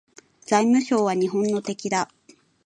財務省は日本の敵だ